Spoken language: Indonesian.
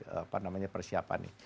apa namanya persiapan ini